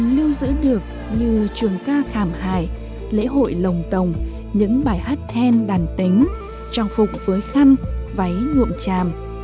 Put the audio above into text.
lưu giữ được như trường ca khảm hải lễ hội lồng tồng những bài hát then đàn tính trang phục với khăn váy nhuộm chàm